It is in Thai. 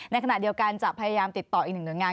ในขณะเดียวกันจะพยายามติดต่ออีกหนึ่งหน่วยงาน